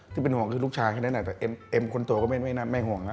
ที่เป็นห่วงคือลูกชายแต่เอ็มคนตัวก็ไม่ห่วงนะ